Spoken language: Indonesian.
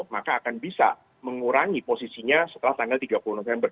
maka akan bisa mengurangi posisinya setelah tanggal tiga puluh november